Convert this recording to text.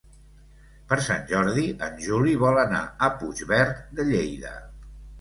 Per Sant Jordi en Juli vol anar a Puigverd de Lleida.